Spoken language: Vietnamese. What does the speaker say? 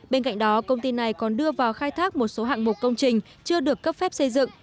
bên cạnh đó công ty này còn đưa vào khai thác một số hạng mục công trình chưa được cấp phép xây dựng